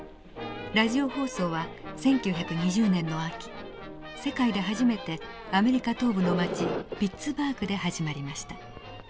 ラジオ放送は１９２０年の秋世界で初めてアメリカ東部の町ピッツバーグで始まりました。